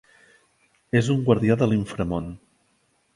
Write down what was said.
És un guardià de l'inframón.